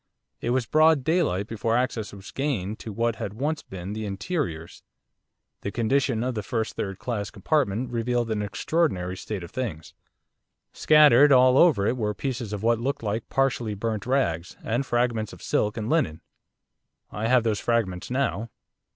It was broad daylight before access was gained to what had once been the interiors. The condition of the first third class compartment revealed an extraordinary state of things. Scattered all over it were pieces of what looked like partially burnt rags, and fragments of silk and linen. I have those fragments now.